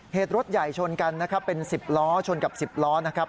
เหตุรถใหญ่ชนกันนะครับเป็น๑๐ล้อชนกับ๑๐ล้อนะครับ